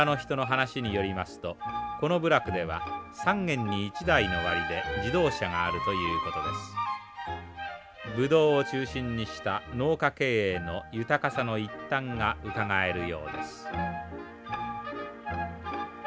ブドウを中心にした農家経営の豊かさの一端がうかがえるようです。